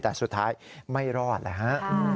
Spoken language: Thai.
แต่สุดท้ายไม่รอดเลยฮะ